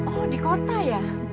oh di kota ya